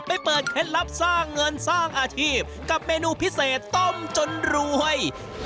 เปิดเคล็ดลับสร้างเงินสร้างอาชีพกับเมนูพิเศษต้มจนรวย